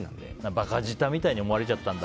馬鹿舌みたいに思われちゃったんだ。